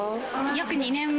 約２年前？